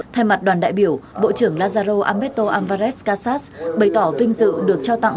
thay mặt đoàn đại biểu bộ trưởng lazaro alberto álvarez casas bày tỏ vinh dự được trao tặng